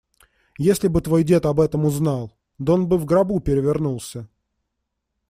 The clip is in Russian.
Если бы твой дед об этом узнал! Да он бы в гробу перевернулся!